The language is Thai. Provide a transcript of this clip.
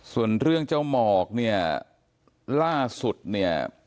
ส่วนเรื่องเจ้าหมอกเนี่ยล่าสุดเนี่ย